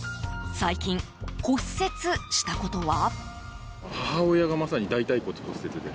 最近、骨折したことは？